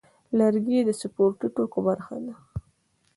لرګی د سپورتي توکو برخه ده.